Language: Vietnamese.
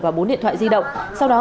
và bốn điện thoại di động sau đó